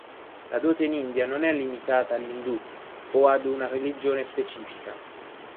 La dote in India non è limitata agli indù o ad una religione specifica.